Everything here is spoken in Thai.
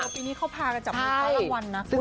พี่นี่เขาพากันจากมีงานประกาศรางวัลนะ